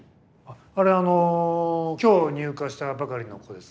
あれはあの今日入荷したばかりの子です。